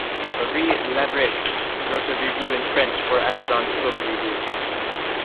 Marie Labrecque wrote a review in French for Amazon's book review.